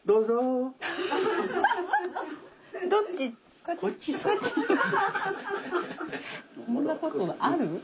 こんなことある？